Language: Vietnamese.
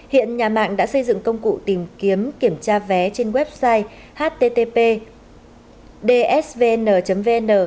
hiện nhà mạng đã xây dựng công cụ tìm kiếm kiểm tra vé trên website http dsvn vn